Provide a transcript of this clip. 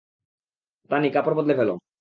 তানি, কাপড় বদলে ফেলো।